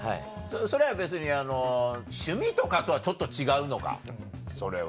それは別にあの趣味とかとはちょっと違うのかそれは。